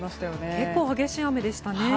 結構激しい雨でしたね。